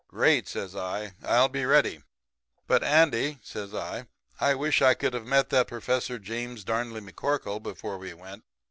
"'Great!' says I. 'I'll be ready. But, Andy,' says I, 'I wish I could have met that Professor James Darnley McCorkle before we went.